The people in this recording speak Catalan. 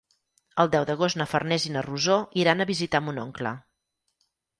El deu d'agost na Farners i na Rosó iran a visitar mon oncle.